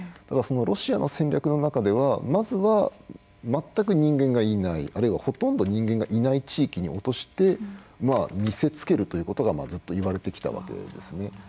だからロシアの戦略の中ではまずは全く人間がいないあるいはほとんど人間がいない地域に落として見せつけるということがずっといわれてきたわけですね。